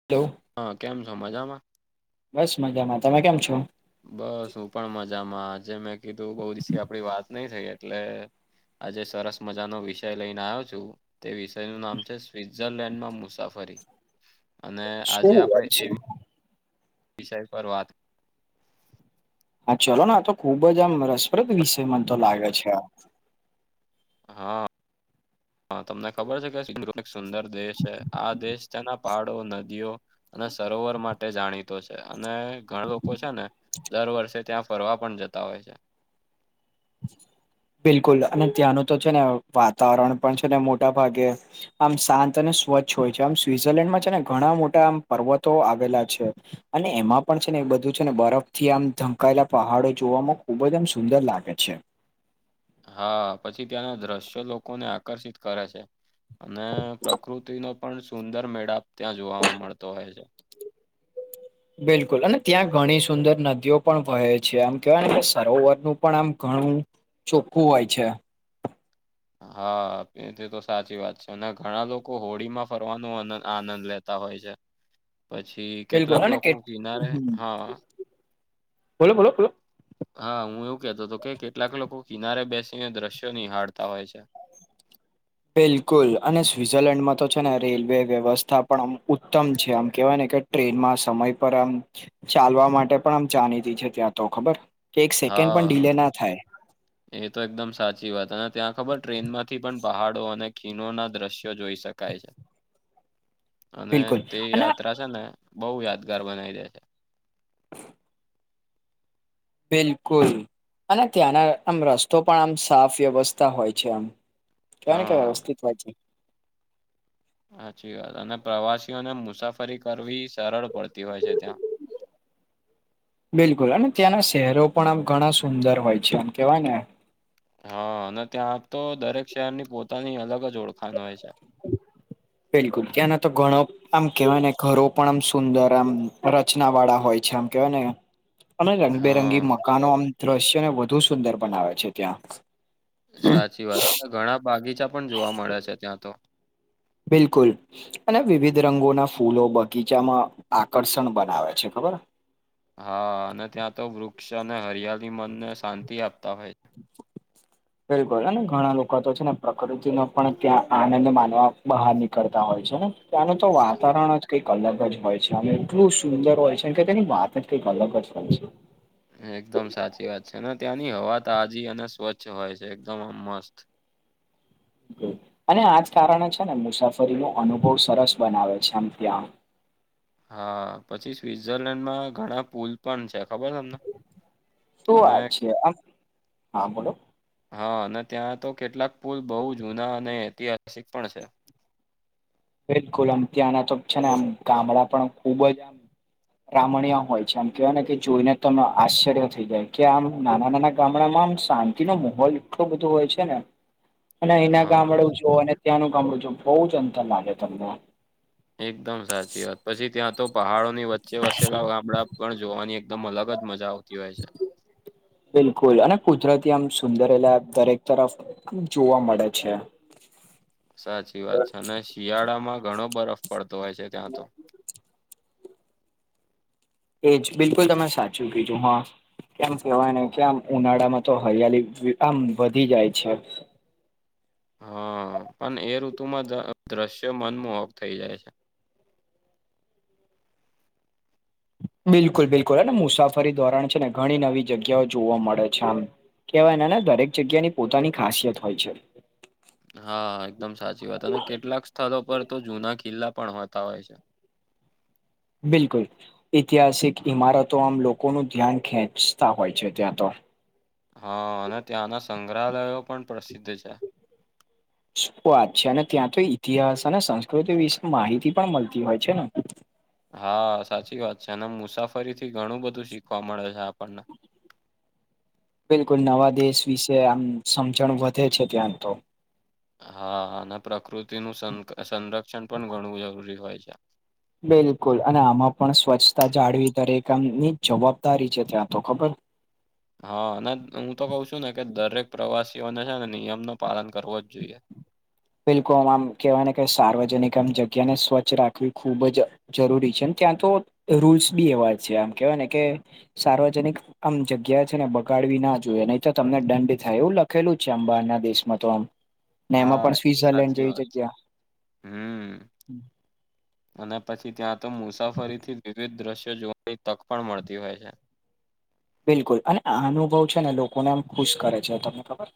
[unintelligible] હા કેમ છો? મજામાં. બસ મજામાં તમે કેમ છો? બસ હું પણ મજામાં, આજે મેં કીધું બહુ દિવસ આપડી વાત નઈ થઈ એટલે આજે સરસ મજાનો વિષય લઈને આવ્યો છું. તે વિષયનું નામ છે, સ્વીટઝરલેન્ડમાં મુસાફરી અને આજે શું આપણે વાત છે? એ વિષય પર વાત હા, ચલો આ તો ખુબ જ આમ રસપ્રદ વિષય મને તો લાગે છે. હા, તમને ખબર છે કે સુંદર દેશ છે, આ દેશ તેના પહાડો નદીઓ અને સરોવર માટે માટે જાણીતો છે અને ઘણા લોકો છે, ને દર વર્ષે ત્યાં ફરવા પણ જતા હોય છે. બિલકુલ અને ત્યાંનું તો છે ને વાતાવરણ પણ છે, ને મોટા ભાગે આમ શાંત અને સ્વચ્છ હોય છે, આમ સ્વીટઝરલેન્ડમાં છે ને ઘણા મોટા આમ પર્વતો આવેલા છે. અને એમાં પણ છે ને એ બધું છે ને બરફ થી આમ ઢંકાયેલા પહાડો જોવામાં ખુબ જ આમ સુંદર લાગે છે. છે. હા, પછી ત્યાંના દ્રશ્યો લોકોને આકર્ષિત કરે છે. અને પ્રકૃતિનો પણ સુંદર મેળાપ ત્યાં જોવાવામાં મળતો હોય છે. બિલકુલ અને ત્યાં ઘણી સુંદર નદીઓ પણ વહે છે, આમ કેવાય ને કે સરોવરનું પણ આમ ઘણું ચોખ્ખું હોય છે. હા, તે તો સાચી વાત છે અને ઘણા લોકો હોળી માં ફરવાનો આનંદ લેતા હોય છે. પછી બિલકુલ કેટલાક અને લોકો કે કીનારે હા બોલો બોલો [inaudible] હા, હું એવું કેતો હતો કે કેટલાક લોકો કિનારે બેસીને દ્રશ્યો નિહહાળતા હોય છે. બિલકુલ અને સ્વિઝરલેન્ડમાં તો છે ને રેલવે વ્યવસ્થા પણ આમ ઉત્તમ છે, આમ કહેવાય ને કે ટ્રેનમાં સમય પર આમ ચાલવા માટે પણ આમ જાણી દી છે, ત્યાં તો ખબર? કે એક સેકન્ડ પણ ડીલે હા ના થાય. એ તો એકદમ સાચી વાત અને ત્યાં ખબર ટ્રેનમાંથી પણ પહાડો અને ખીણ ના દ્રશ્યો જોઈ શકાય છે. અને બિલકુલ તે અને યાત્રા છે ને બહ યાદગાર બનાવી દે છે. બિલકુલ અને ત્યાંના આમ રસ્તો પણ આમ સાફ વ્યવસ્થા હોય છે આમ. કેયા ને કે હા વ્યવસ્થિત વાય છે. સાચી વાત અને પ્રવાસીઓને મુસાફરી કરવી સરળ પડતી હોય છે ત્યાં. બિલકુલ અને ત્યાંના શહેરો પણ આમ ઘણા સુંદર હોય છે એમ કેવાય ને, હા, અને ત્યાંતો દરેક શહેરની પોતાની અલગ જ ઓળખાણ હોય છે. બિલકુલ કે્યાં ના તો ગણો? આમ કેવાયને ઘરો પણ આમ સુંદર આમ રચના વાળા હોય છે આમ કેવાય ને, અને રંગબેરંગી હા મકાનો આમ દ્રશ્યને વધુ સુંદર બનાવે છે ત્યાં, સાચી વાત ઘણા બાગીચા પણ જોવા મળ્યા છે ત્યાં તો. બિલકુલ અને વિવિધ રંગોના ફૂલો બગીચામાં આકર્ષણ બનાવે છે ખબર? હા અને ત્યાં તો વૃક્ષ અને હરિયાળી મનને શાંતિ આપતા હોય છે. બિલકુલ ઘણા લોકો તો છે ને પ્રકૃતિ ન પણ ત્યાં આનંદ માનવા બહાર નીકળતા હોય છે ને? ત્યાંનું તો વાતાવરણ જ કંઈક અલગ જ હોય છે અમે એટલું સુંદર હોય છે કે તેની વાત જ કંઈક અલગ જ હોય છે. એકદમ સાચી વાત છે ને ત્યાંની હવા તાજી અને સ્વચ્છ હોય છે એકદમ આમ મસ્ત. અને આજ કારણે છે ને મુસાફરીનોો અનુભવ સરસ બનાવે છે આમ ત્યાં હા પછી સ્વટઝરલેન્ડમાં ઘણા પુલ પણ છે ખબર તમને? શું અને વાત છે આ હા બોલો હા અને ત્યાં તો કેટલાક પુલ બહુ જુના અને ઐતિહાસિક પણ છે. બિલકુલ અમ ત્યાંના તો છે ને આમ ગામડાં પણ ખુબ જ આમ રામણીય હોય છે આમ કેહેવાય ને કે જોઈને તો આશ્ચર્ય થઈ જાય કે આમ નાના નાના ગામડામાં આમ શાંતિ નો માહોલ એટલો બધો હોય છે ને [inaudible] અને અહીના હા ગામડું છું અને ત્યાંનું ગામડું છું બઉુ જ અનંતર લાગે તમને એકદમ સાચી વાત પછી ત્યાં તો પહાડો ની વચ્ચે વસેલા ગામડા પણ જોવાની એકદમ અલગ જ મજા આવતી હોય છે. બિલકુલ અને કુદરતી આમ સુંદરેલા દરેક તરફ જોવા મળે છે. સાચી વાત છે અને શિયાળામાં ઘણો બરફ પડતો હોય છે ત્યાં તો એજ બિલકુલ તમે સાચું કીજું હા કેમ કેવાય ને કે આમ ઉનાળામાં તો હરિયાળ આમ વધી જાય છે. હા પણ એ ઋતુમાં દ્રશ્ય મનમોહક થઈ જાય છે. બિલકુલ બિલકુલ અને મુસાફરી ધોરણ છે ને ઘણી નવી જગ્યાઓ જોવા મળે છે આમ કવાય એનાને દરેક જગ્યા ની પોતાની ખાસિયત હોય છે. હા એકદમ સાચી વાત અને કેટલાક સ્થળો પર તો જુના કિલ્લા પણ હોતા હોય છે. બિલકુલ ઐતિહાસિક ઈમારતો આમ લોકોનું ધ્યાન ખેંચતા હોય છે ત્યાં તો હા અને ત્યાંના સંગ્રહાલયો પણ પ્રસિદ્ધ છે. શું વાત છે અને ત્યાં તો ઈતિહાસ અને સંસ્કૃતિ વિશે માહિતી પણ મળતી હોય છે ને. હા સાચી વાત છે અને મુસાફરી થી ઘણું બધું શીખવા મળે છે આપણને બિલકુલ નવા દેશ વિશે આમ સમજણ વધે છે ત્યાં તો હા અને પ્રકૃતિનુંું સંરક્ષણ પણ ઘણું જરૂરી હોય છે. બિલકુલ અને આમાં પણ સ્વચ્છતા જાળવી દરેકામની જવાબદારી છે ત્યાં તો ખબર હા અને હું તો કઉ છું ને કે દરેક પ્રવાસીઓને છે ને નિયમ ન પાલન કરવો જ જોઈએ બિલકુ આમ આમ કહેવાય ને કે સાર્વજનિક આમ જગ્યાને સ્વચ્છ રાખવી ખૂબ જ જરૂરી છે ત્યાં તો રૂલ્સ બી એવા છે આમ કેવાય ને કે સાર્વજનિક આમ જગ્યા છે ને બગાડવી ના જોઈએ નહી તો તમને દંડ થાય એવું લખેલું જ છે આ બાર ના દેશમાં તો આમ ને એમાં હા પણ એ તો સ્વિઝરલેન્ડ સાચી જેવી વાત છે જગ્યા હમ અને પછી ત્યાં તો મુસાફરીથી વિવિધ દ્રશ્યો જોવાની તક પણ મળતી હોય છે. બિલકુલ અને અનુભવ છે ને લોકોને આમ ખુશ કરે છે તમને ખબર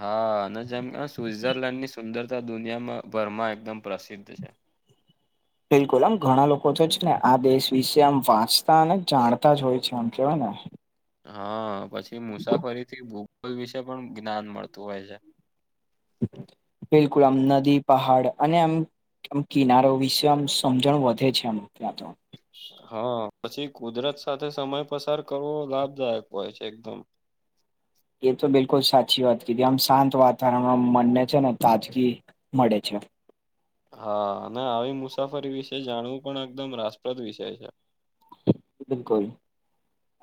હા અને જેમ કે સ્વઝરલેન્ડ ની સુંદરતા દુનિયામાં ભરમાં એકદમ પ્રસિદ્ધ છે. બિલકુલ આમ ઘણા લોકો તો જ ને આ દેશ વિશે આમ વાંચતા અને જાણતા જ હોય છે આમ કેવાય ને હા પછી મુસાફરીથી ભૂગોલ વિશે પણ જ્ઞાન મળતું હોય છે. બિલકુલ આમ નદી પહાડ અને એમ આમ કિનારો વિશે આમ સમજણ વધે છે આમ ત્યાં તો હા પછી કુદરત સાથે સમય પસાર કરવો લાભદાયક હોય છે એકદમ એ તો બિલકુલ સાચી વાત કીધી આમ શાંત વાતાવરણમાં મનને છે ને તાજગી મળે છે. હા અને આવી મુસાફરી વિશે જાણવું પણ એકદમ રાસપ્રદ વિષય છે. બિલકુલ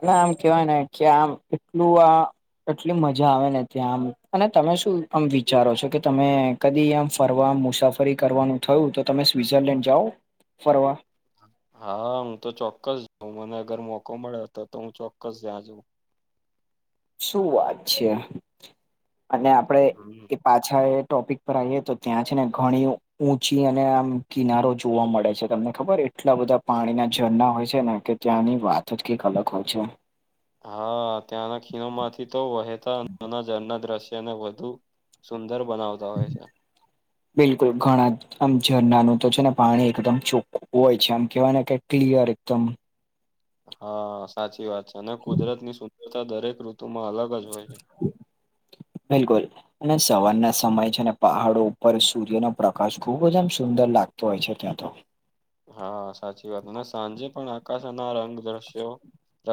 અને આમ કેવાય ને કે આમ એટલું આ એટલી મજા આવે ને ત્યાં આમ અને તમે શું આમ વિચારો છો કે તમે કદી આમ ફરવા, મુસાફરી કરવાનું થયું તો તમે સ્વિ્ઝરલેન્ડ જાઓ ફરવા. હા હું તો ચોક્કસ જાઉં મને અગર મોકો મળે તો તો હું ચોક્કસ ત્યાં જઉં. શું વાત છે અને આપડે હમ એ પાછ છા એ ટોપિક પર આઈએ તો ત્યાં છે ને ઘણી ઊંચી અને આમ કિનારો જોવા મળે છે તમને ખબર એ એટલા બધા પાણીનાં ઝરણાં હોય છે ને કે ત્યાંની વાત જ કઈક અલગ હોય છે. હા ત્યાંના ખીણોમાંથી તો વહેતાં નાના ઝરણાં દ્રશ્યને વધુ સુંદર બનાવતા હોય છે. બિલકુલ ઘણાં આમ ઝરણાનું તો છે ને પાણી એકદમ ચોખ્ખું હોય છે આમ કેવાય ને કે ક્લિયર એકદમ. હા, સાચી વાત છે અને કુદરતની સુંદરતા દરેક ઋતુમાં અલગ જ હોય છે. બિલકુલ. અને સવારના સમયે છે ને પહાડો ઉપર સૂર્યનો પ્રકાશ ખૂબ જ આમ સુંદર લાગતો હોય છે ત્યાં તો. હા, સાચી વાત અને સાંજે પણ આકાશના રંગ, દ્રશ્યો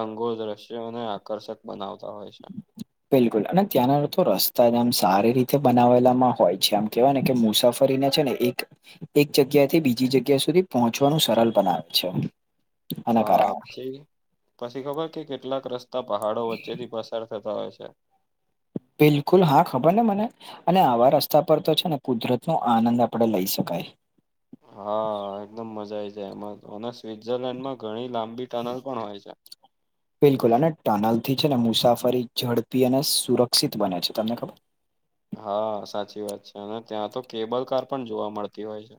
રંગો દ્રશ્યોને આકર્ષક બનાવતા હોય છે. બિલકુલ અને ત્યાંના તો રસ્તા જ આમ સારી રીતે બનાવેલામાં હોય છે આમ કેવાયને કે મુસાફ ફરીને છે ને એક એક જગ્યાથી બીજી જગ્યા સુધી પહોંચવાનું સરલ બનાવે છે. આના હા કારણે પછી પછી ખબર કે કેટલાક રસ્ તા પહાડો વચ્ચેથી પસાર થતા હોય છે. બિલકુલ, હા ખબરને મને. અને આવા રસ્તા પર તો છે ને કુદરતનો આનંદ આપણે લઈ શકાય. હા, એકદમ મજા આઈ જાય એમાં અને સ્વિટઝરલેન્ડમાં ઘણી લાંબી ટનલ પણ હોય છે. બિલકુલ અને ટનલથી છે ને મુસાફરી ઝડપી અને સુરક્ષિત બને છે તમને ખબર? હા, સાચી વાત છે અને ત્યાં તો કેબલ કાર પણ જોવા મળતી હોય છે.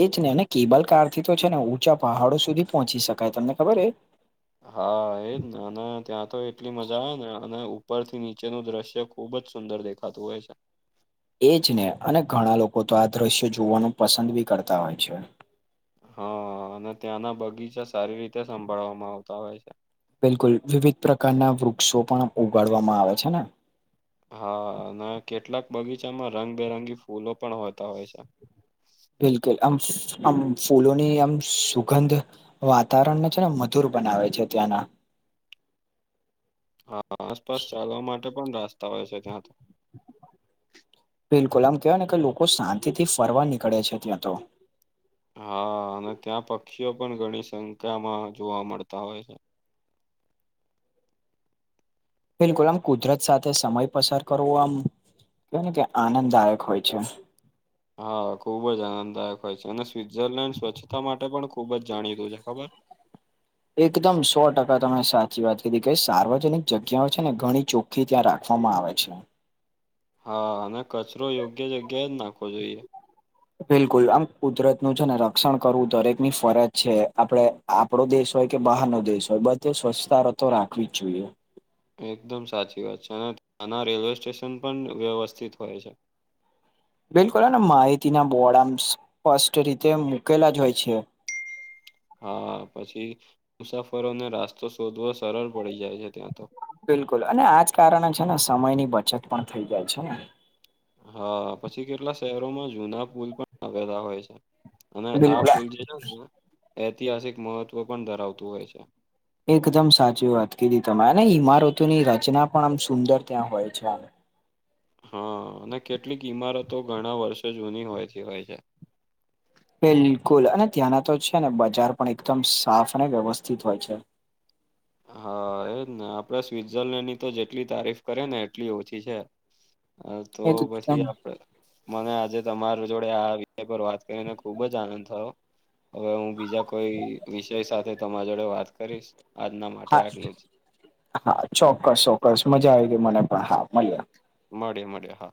એજ ને અને કેબલ કારથી તો છે ને ઊંચા પહાડો સુધી પહોંચી શકાય તમને ખબર એ? હા એજ ને અને ત્યાં તો એટલી મજા આવે ને અને ઉપરથી નીચેનું દ્રશ્ય ખૂ ખૂબ જ સુંદર દેખાતું હોય છે. એજ ને અને ઘણાં લોકો તો આ દ્રશ્ય જોવાનું પસંદ બી કરતા હોય છે. હ અને ત્યાંના બગીચા સારી રીતે સંભાળવામાં આવતાં હોય છે. બિલકુલ, વિવિધ પ્રકારનાં વૃક્ષો પણ ઉગાડવામાં આવે છે ને? હા અને કેટલાક બગીચામાં રંગબેરંગી ફૂલો પણ હોતાં હોય છે. બિલકુલ, ફૂ આમ આમ ફૂલોની આમ સુગંધ વાતાવરણને છે ને મધુર બનાવે છે ત્યાંના. હા, આસપાસ ચાલવા માટે પણ રાસ્તા હોય છે ત્યાં તો. બિલકુલ આમ કેવાય ને કે લોકો શાંતિથી ફરવા નીકળે છે ત્યાં તો. હા અને ત્યાં પક્ષીઓ પણ ઘણી સંખ્યામાં જોવા મળતાં હોય છે. બિલકુલ આમ કુદરત સાથે સમય પસાર કરવો આમ કેવાય ને કે આનંદદાયક હોય છે. હા, ખૂબ જ આનંદદાયક હોય છે અને સ્વિટ્ઝરલેન્ડ સ્વચ્છતા માટે પણ ખુબ જ જાણીતું છે ખબર? એકદમ સો ટકા તમે સાચી વાત કીધી કઈ સાર્વજનિક જગ્યાઓ છે ને ઘણી ચોખ્ ખી ત્યાં રાખવામાં આવે છે. હ અને કચરો યોગ્ય જગ્યાએ જ નાખવો જોઈએ. બિલકુલ આમ કુદરતનું છે ને રક્ષણ કરવું દરેકની ફરજ છે આપડે આપડો દેશ હોય કે બહારનો દેશ હોય બધે સ્વચ્છતારતો રાખવી જ જોઈએ. એકદમ સાચી વાત છે અને ત્યાનાં રેલવે સ્ટેશન પણ વ્યવસ્થિત હોય છે. બિલકુલ અને માહિતીના બોડ આમ સ્પષ્ટ રીતે મૂકેલા જ હોય છે. હા પછી મુસાફરોને રાસ્તો શોધવો સરળ પડી જાય છે ત્યાં તો. બિલકુલ અને આજ કારણે છે ને સમયની બચત પણ થઈ જાય છે ને. હ, પછી કેટલા શહેરોમાં જુના પુલ પણ આવેલા હોય છે અને આ બિલકુલ પુલ જે ઐતિહાસિક મહત્વ પણ ધરાવતું હોય છે. એકદમ સાચી વાત કીધી તમે અને ઈમારતોની રચના પણ આમ સુંદર ત્યાં હોય છે આમ. હા અને કેટલીક ઈમારતો ઘણા વર્ષો જૂની હોયથી હોય છે બિલકુલ અને ત્યાંના તો છે ને બજાર પણ એકદમ સાફ અને વ્યવસ્થિત હોય છે હા એજ ને આપડે સ્વઝરલેન્ડની તો જેટલી તારીફ કરી ને એટલી ઓછી છે હા તો એ એકદમ પછી આપડે મને આજે તમાર જોડે આ વિષય પર વાત કરીને ખુબ જ આનંદ થયો હવે હું બીજા કોઈ વિષય સાથે તમારા જોડે વાત કરીશ આજના માટે હા આટલું જ હા ચોક્કસ ચોક્કસ મજા આવી ગઈ મને પણ હા મલીયે મળીયે મળીયે હા